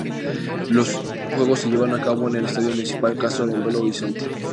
Los juegos se llevaron a cabo en el Estádio Municipal Castor en Belo Horizonte.